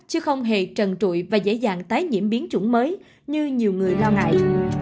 chứ không hề trần trụi và dễ dàng tái nhiễm biến chủng mới như nhiều người lo ngại